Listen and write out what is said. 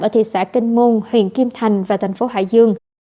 ở thị xã kinh môn huyện kim thành và thành phố hải dương